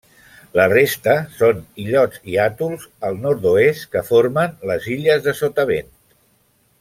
La resta són illots i atols al nord-oest que formen les illes de Sotavent.